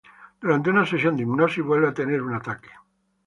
Durante una sesión de hipnosis vuelve a tener un ataque.